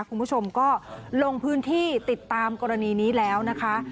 คุณผู้ชมก็ลงพื้นที่ติดตามกรณีนี้แล้วนะคะ